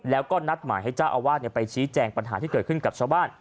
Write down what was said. แล้วก็นัดหมายให้เจ้าอาวาสไปชี้แจงปัญหาที่เกิดขึ้นกับชาวบ้าน